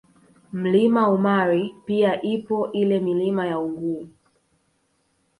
Mlima Umari pia ipo ile Milima ya Unguu